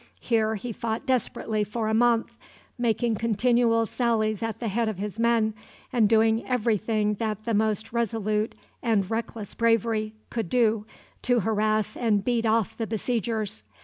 Here he fought desperately for a month, making continual sallies at the head of his men, and doing every thing that the most resolute and reckless bravery could do to harass and beat off the besiegers.